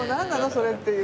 それっていう。